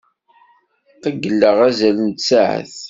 Qeyyleɣ azal n tsaɛet.